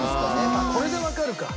あっこれでわかるか。